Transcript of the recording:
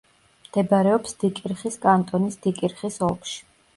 მდებარეობს დიკირხის კანტონის დიკირხის ოლქში.